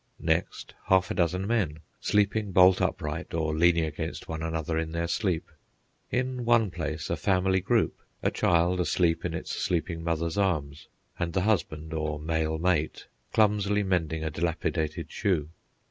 Next half a dozen men, sleeping bolt upright or leaning against one another in their sleep. In one place a family group, a child asleep in its sleeping mother's arms, and the husband (or male mate) clumsily mending a dilapidated shoe.